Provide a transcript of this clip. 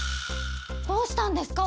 どうしたんですか？